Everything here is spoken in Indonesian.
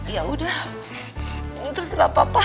ya udah terserah papa